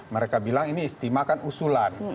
mereka bilang ini istimakan usulan